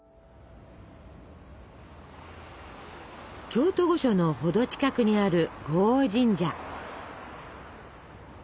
京都御所のほど近くにある護王神社。